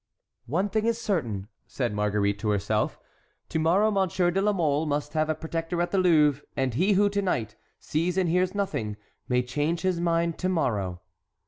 "One thing is certain," said Marguerite to herself, "to morrow Monsieur de la Mole must have a protector at the Louvre; and he who, to night, sees and hears nothing, may change his mind to morrow."